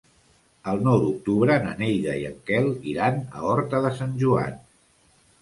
El nou d'octubre na Neida i en Quel iran a Horta de Sant Joan.